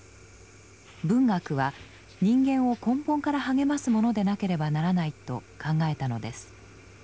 文学は人間を根本から励ますものでなければならないと考えたのです。